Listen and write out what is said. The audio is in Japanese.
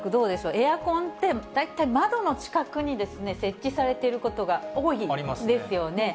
エアコンって、大体窓の近くに設置されていることが多いんですよね。